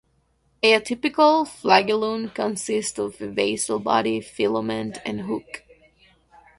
A typical flagellum consists of a basal body, filament, and hook.